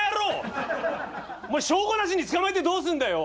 証拠なしに捕まえてどうすんだよ？